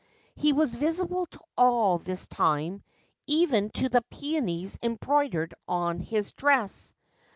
He was visible to all this time — even to the peonies embroidered on his dress.